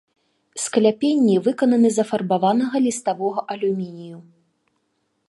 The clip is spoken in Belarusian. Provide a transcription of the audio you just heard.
Скляпенні выкананы з афарбаванага ліставога алюмінію.